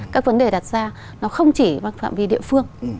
cũng phải đặt ra nó không chỉ bằng phạm vi địa phương